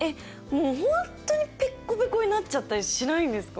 もう本当にペッコペコになっちゃったりしないんですか？